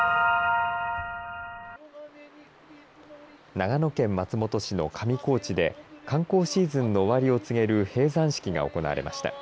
長野県松本市の上高地で観光シーズンの終わりを告げる閉山式が行われました。